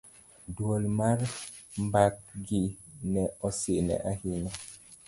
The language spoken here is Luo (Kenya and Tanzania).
dwol mar mbakgi ne osine ahinya